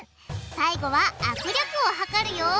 最後は握力を測るよ！